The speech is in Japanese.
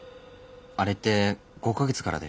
あれって５か月からでしょ。